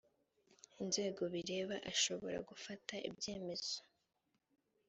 inzego bireba ashobora gufata ibyemezo